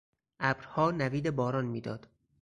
ابرها نوید باران میداد.